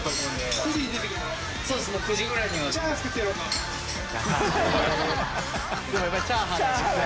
松島）でもやっぱりチャーハンなんですね。